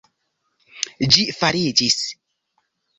Ĝi fariĝis!